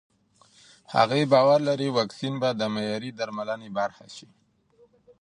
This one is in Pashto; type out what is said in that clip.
هغې باور لري واکسین به د معیاري درملنې برخه شي.